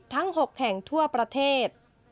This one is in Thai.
ทั้ง๖แห่งทั่วประเทศ